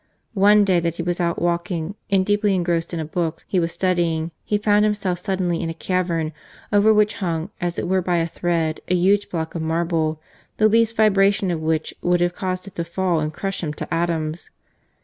One day that he was out walking, and deeply engrossed in a book he was studying, he found himself suddenly in a cavern, over which hung, as it were by a thread, a huge block of marble, the least vibration of which would have caused it to fall and crush him to atoms.